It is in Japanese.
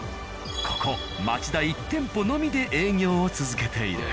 ここ町田１店舗のみで営業を続けている。